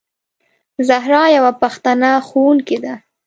زهرا یوه پښتنه ښوونکې ده.